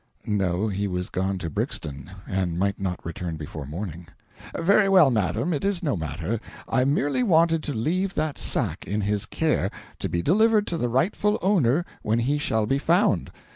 No, he was gone to Brixton, and might not return before morning. "Very well, madam, it is no matter. I merely wanted to leave that sack in his care, to be delivered to the rightful owner when he shall be found.